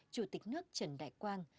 chủ tịch nước trần đại quang